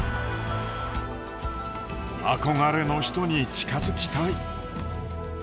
憧れの人に近づきたい。